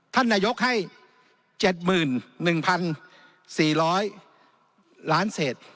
ท่านนายกให้๗๑๔๐๐ล้านเศษ